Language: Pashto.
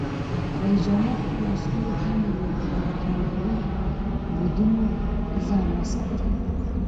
رئیس جمهور خپلو عسکرو ته امر وکړ؛ له کیمیاوي بریدونو ځان وساتئ!